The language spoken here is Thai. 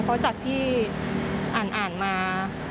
เพราะจากที่อ่านมา